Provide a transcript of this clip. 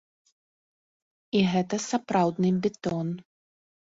І гэта сапраўдны бетон!